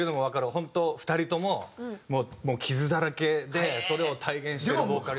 本当２人とももう傷だらけでそれを体現してるボーカリスト。